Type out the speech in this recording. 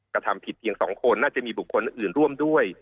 กระทำผิดเพียง๒คนน่าจะมีบุคคลอื่นร่วมด้วย